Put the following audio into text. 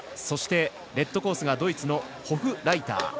そしてレッドコースがドイツのホフライター。